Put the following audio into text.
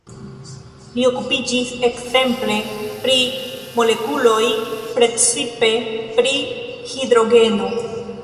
Li okupiĝis ekzemple pri molekuloj, precipe pri hidrogeno.